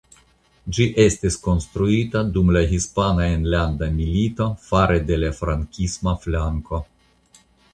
Ĝi estis konstruita dum la Hispana Enlanda Milito fare de la frankisma flanko.